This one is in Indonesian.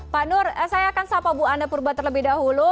pak nur saya akan sapa bu anne purba terlebih dahulu